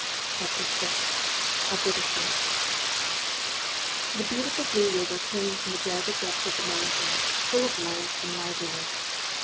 CHAPTER VI A BRITISHER The beautiful Blue River came from the jagged depths of the mountains, full of light and liveliness.